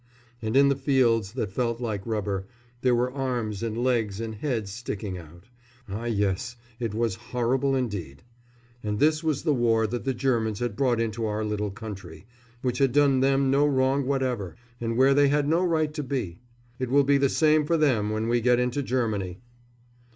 And in the fields that felt like rubber, there were arms and legs and heads sticking out. Ah, yes, it was horrible indeed. And this was the war that the Germans had brought into our little country, which had done them no wrong whatever, and where they had no right to be. It will be the same for them when we get into Germany!